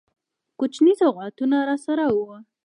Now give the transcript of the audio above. کوچني سوغاتونه راسره وه.